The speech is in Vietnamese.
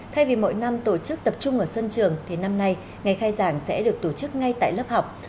thay vì mỗi năm tổ chức tập trung ở sân trường thì năm nay ngày khai giảng sẽ được tổ chức ngay tại lớp học